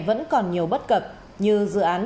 vẫn còn nhiều bất cập như dự án